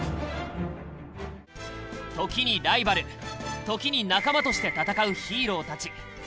時にライバル時に仲間として戦うヒーローたち。